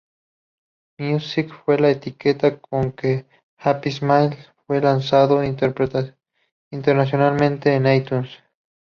Music fue la etiqueta con que Happy Smiles fue lanzado internacionalmente en iTunes.